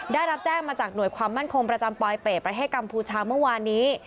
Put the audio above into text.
ได้รับแจ้งมาจากหน่วยความมั่นคงประจำปลอยเป็ดประเทศกัมพูชาเมื่อวานนี้